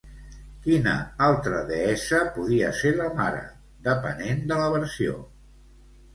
Quina altra deessa podia ser la mare, depenent de la versió?